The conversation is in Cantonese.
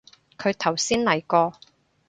佢頭先嚟過